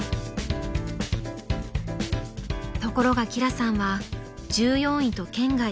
［ところが輝さんは１４位と圏外］